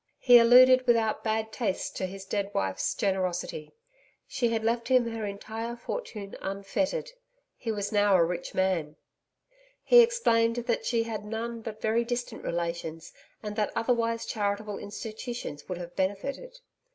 He alluded without bad taste to his dead wife's generosity. She had left him her entire fortune unfettered. He was now a rich man. He explained that she had had none but very distant relations and that, otherwise, charitable institutions would have benefited.